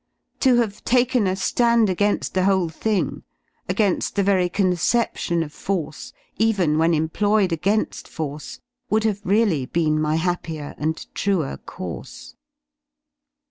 To have taken a ^and again^V the whole thing, again^ the very conception of force, even J when employed again^ force, would have really been my /' happier and truer course.